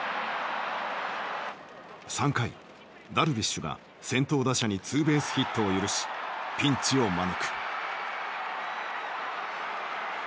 ３回ダルビッシュが先頭打者にツーベースヒットを許しピンチを招く。